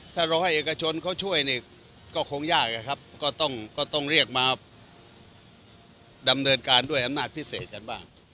ถ้ารอให้เอกชนเขาช่วยเนี่ยก็คงยากนะครับก็ต้องเรียกมาดำเนินการด้วยอำนาจพิเศษกันบ้าง